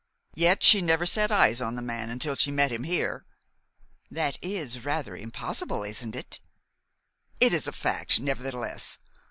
"Yet she never set eyes on the man until she met him here." "That is rather impossible, isn't it?" "It is a fact, nevertheless.